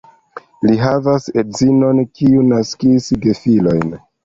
Li havas edzinon, kiu naskis gefilojn.